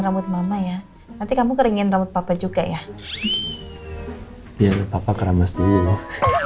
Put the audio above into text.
rambut mama ya nanti kamu keringin rambut papa juga ya biar papa keramas dulu